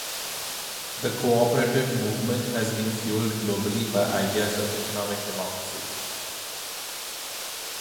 The cooperative movement has been fueled globally by ideas of economic democracy.